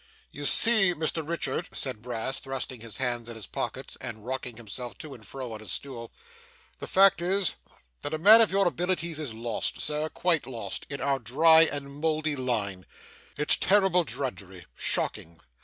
'You see, Mr Richard,' said Brass, thrusting his hands in his pockets, and rocking himself to and fro on his stool, 'the fact is, that a man of your abilities is lost, Sir, quite lost, in our dry and mouldy line. It's terrible drudgery shocking.